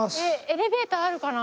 エレベーターあるかな？